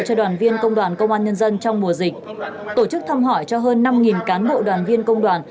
cho đoàn viên công đoàn công an nhân dân trong mùa dịch tổ chức thăm hỏi cho hơn năm cán bộ đoàn viên công đoàn